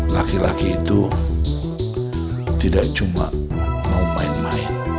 laki laki itu tidak cuma mau main main